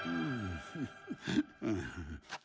うん？